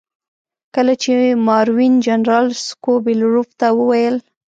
کله چې ماروین جنرال سکوبیلروف ته وویل.